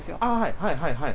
はいはいはい。